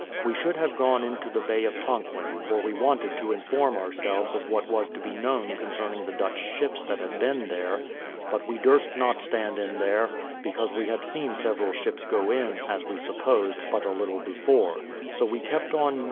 We would have gone into the bay of Tonquin, for we wanted to inform ourselves of what was to be known concerning the Dutch ships that had been there; but we durst not stand in there, because we had seen several ships go in, as we supposed, but a little before; so we kept on NE.